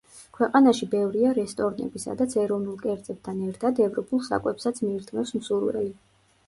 ქვეყანაში ბევრია რესტორნები, სადაც ეროვნულ კერძებთან ერთად, ევროპულ საკვებსაც მიირთმევს მსურველი.